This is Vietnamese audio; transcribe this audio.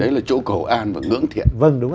đấy là chỗ cầu an và ngưỡng thiện